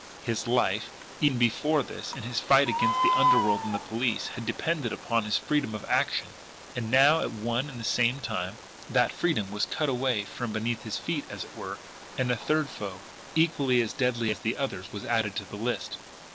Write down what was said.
His life, even before this, in his fight against the underworld and the police, had depended upon his freedom of action and now, at one and the same time, that freedom was cut away from beneath his feet, as it were, and a third foe, equally as deadly as the others, was added to the list!